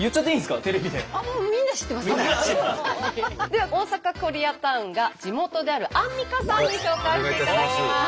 では大阪コリアタウンが地元であるアンミカさんに紹介していただきます！